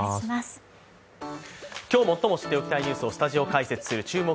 今日、最も知っておきたいニュースをスタジオ解説する「注目！